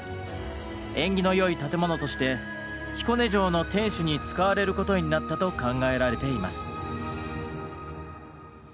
縁起の良い建物として彦根城の天守に使われることになったと考えられています。